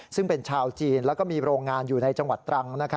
ซึ่งเป็นชาวจีนแล้วก็มีโรงงานอยู่ในจังหวัดตรัง